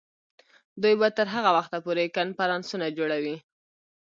دوی به تر هغه وخته پورې کنفرانسونه جوړوي.